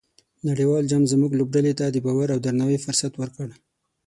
نړیوال جام زموږ لوبډلې ته د باور او درناوي فرصت ورکړ.